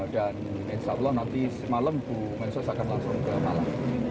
dan insya allah nanti semalam bumensos akan langsung ke malang